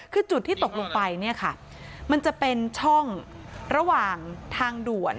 คือจุดที่ตกลงไปเนี่ยค่ะมันจะเป็นช่องระหว่างทางด่วน